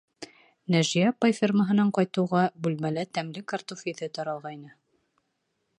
Нәжиә апай фермаһынан ҡайтыуға, бүлмәлә тәмле картуф еҫе таралғайны.